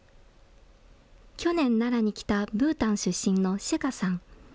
去年、奈良に来た、ブータン出身のシェカさん。